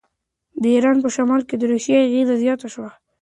د ایران په شمال کې د روسیې اغېز زیات شو.